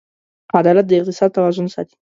عدالت د اقتصاد توازن ساتي.